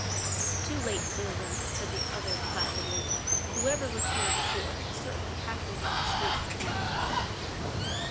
"Too late, citizen," said the other placidly; "whoever was here before is certainly half way down the street by now."